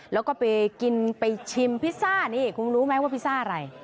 แล้วก็ไปกินไปชิมพิซซ่านี่คุณรู้ไหมว่าพิซซ่าอะไร